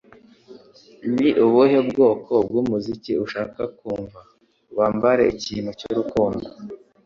Ni ubuhe bwoko bw'umuziki ushaka kumva?" "Wambare ikintu cy'urukundo"